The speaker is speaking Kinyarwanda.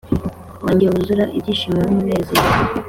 wanjye wuzura ibyishimo n’umunezero